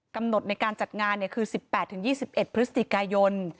กำหนดในการจัดงานคือ๑๘๒๑พฤศจิกายน